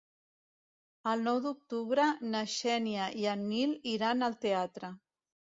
El nou d'octubre na Xènia i en Nil iran al teatre.